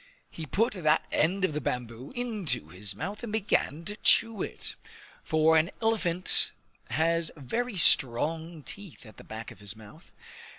He put that end of the bamboo into his mouth and began to chew it; for an elephant has very strong teeth at the back of his mouth.